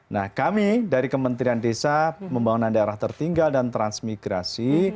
nah kami dari kementerian desa pembangunan daerah tertinggal dan transmigrasi